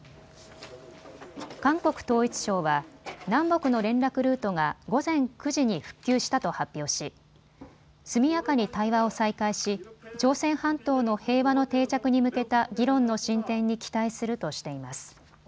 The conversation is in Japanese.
韓国統一省は南北の連絡ルートが午前９時に復旧したと発表し速やかに対話を再開し朝鮮半島の平和の定着に向けた議論の進展に期待するとしています。